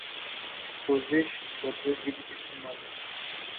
سوزش درد دل کسے معلوم